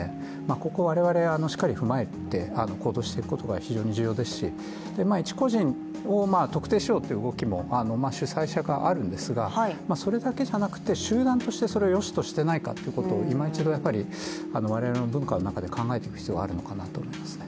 ここ、我々、しっかり踏まえて行動していくことが非常に重要ですし、一個人を特定しようという動きも主催者側あるんですがそれだけじゃなくて、集団としてそれをよしとしてないかっていうことを今一度我々の文化の中で考えていく必要があるのかなと思いますね。